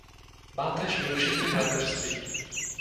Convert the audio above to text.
Má též využití v lékařství.